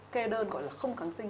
kê đơn gọi là không kháng sinh